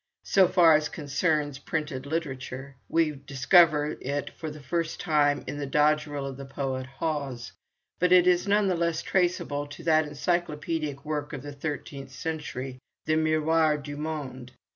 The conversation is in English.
So far as concerns printed literature, we discover it for the first time in the doggerel of the poet Hawes, but it is none the less traceable to that encyclopædic work of the thirteenth century, the 'Miroir du Monde.'